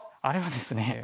あれはですね